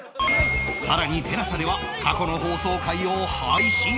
更に ＴＥＬＡＳＡ では過去の放送回を配信中